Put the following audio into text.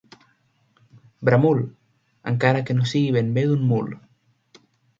Bramul, encara que no sigui ben bé d'un mul.